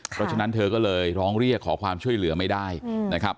เพราะฉะนั้นเธอก็เลยร้องเรียกขอความช่วยเหลือไม่ได้นะครับ